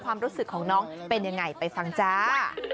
ความรู้สึกของน้องเป็นยังไงไปฟังจ้า